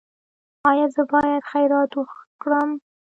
ایا زه باید خیرات ورکړم؟